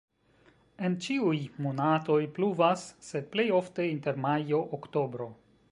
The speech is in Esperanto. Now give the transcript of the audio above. En ĉiuj monatoj pluvas, sed plej ofte inter majo-oktobro.